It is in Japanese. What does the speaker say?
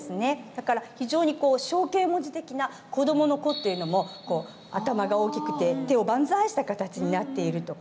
だから非常に象形文字的な子どもの「子」というのも頭が大きくて手を万歳した形になっているとかですね。